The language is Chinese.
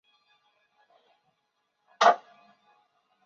担任北京师范大学化学学院副院长。